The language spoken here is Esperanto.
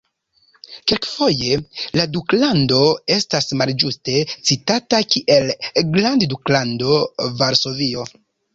Kelkfoje la duklando estas malĝuste citata kiel "grandduklando Varsovio".